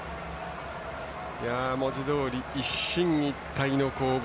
文字どおり一進一退の攻防。